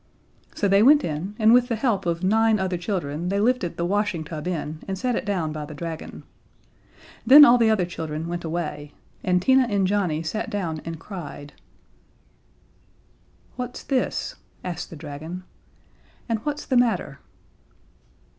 So they went in, and with the help of nine other children they lifted the washing tub in and set it down by the dragon. Then all the other children went away, and Tina and Johnnie sat down and cried. "What's this?" asked the dragon. "And what's the matter?"